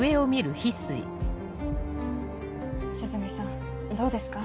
涼見さんどうですか？